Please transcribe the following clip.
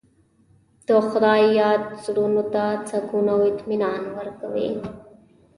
د خدای یاد زړونو ته سکون او اطمینان ورکوي.